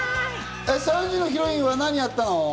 ３時のヒロインは何やったの？